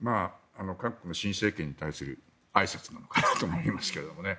韓国の新政権に対するあいさつなのかなと思いますけどね。